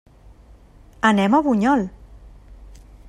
Anem a Bunyol.